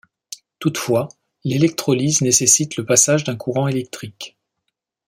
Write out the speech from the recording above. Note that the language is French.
Toutefois l'électrolyse nécessite le passage d'un courant électrique.